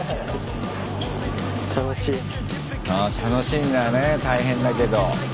楽しいんだよね大変だけど。